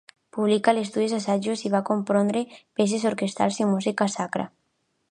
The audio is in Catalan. Publicà estudis, assajos i va compondre peces orquestrals i música sacra.